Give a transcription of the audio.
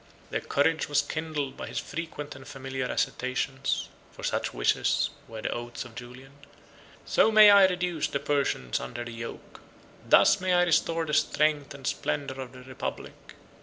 Their courage was kindled by his frequent and familiar asseverations, (for such wishes were the oaths of Julian,) "So may I reduce the Persians under the yoke!" "Thus may I restore the strength and splendor of the republic!"